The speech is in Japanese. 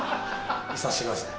いさしてください。